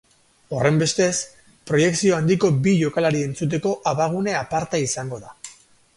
Horrenbestez, proiekzio handiko bi jokalari entzuteko abagune aparta izango da.